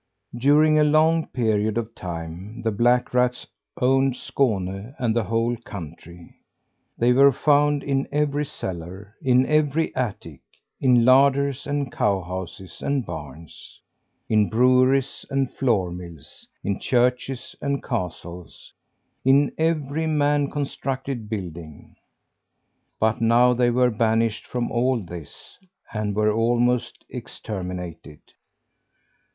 During a long period of time, the black rats owned Skåne and the whole country. They were found in every cellar; in every attic; in larders and cowhouses and barns; in breweries and flour mills; in churches and castles; in every man constructed building. But now they were banished from all this and were almost exterminated.